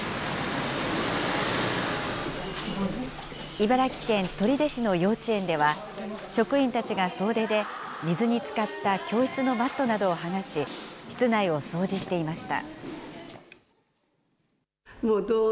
茨城県取手市の幼稚園では、職員たちが総出で、水につかった教室のマットなどを剥がし、室内を掃除していました。